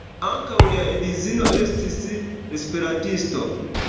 Ankaŭ lia edzino estis esperantisto.